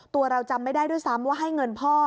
ตัวเราจำไม่ได้ด้วยซ้ำว่าให้เงินพ่อ